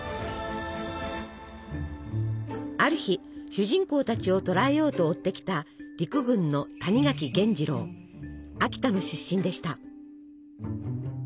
ある日主人公たちを捕らえようと追ってきた陸軍の秋田の出身でした。